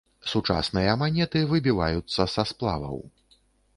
Сучасныя манеты выбіваюцца са сплаваў.